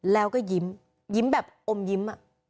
แล้วก็ยิ้มยิ้มแบบอมยิ้ม